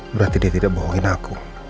berarti dia tidak bohongin aku